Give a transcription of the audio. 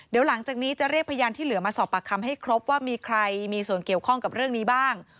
เดี๋ยวหลังจากนี้จะเรียกพยานที่เหลือมาสอบปากคำให้ครบว่ามีใครมีส่วนเกี่ยวข้องกับเรื่องนี้บ้าง